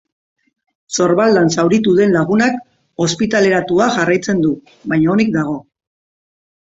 Sorbaldan zauritu den lagunak ospitaleratuta jarraitzen du, baina onik dago.